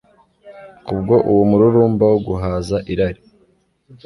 Kubwo uwo mururumba wo guhaza irari